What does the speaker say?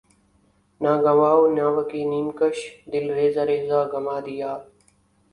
نہ گنواؤ ناوک نیم کش دل ریزہ ریزہ گنوا دیا